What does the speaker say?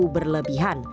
sikap sby yang berlebihan